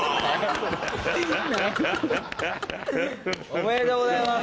おめでとうございます！